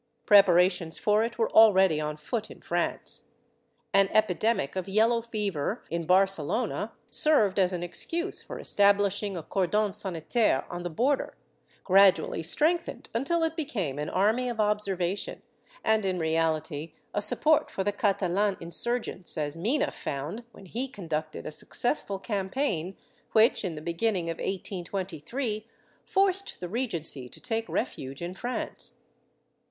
^ Preparations for it were already on foot in France. An epidemic of yellow fever in Barcelona served as an excuse for establishing a cordon sanitaire on the border, grad ually strengthened until it became an army of observation and in reality a support for the Catalan insurgents, as Mina found when he conducted a successful campaign which in the beginning of 1823 forced the Regency to take refuge in France.